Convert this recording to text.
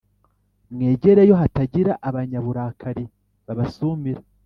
Mwegereyo hatagira abanyaburakari babasumira